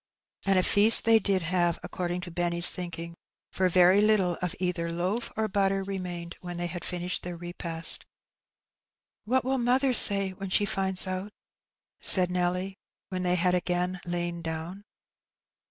'' And a feast they did have, according to Benny's thinking, for very little of either loaf or batter remained when "they had finished their repast. " What will mother say when she finds out ?" said Nelly, when they had again lain down.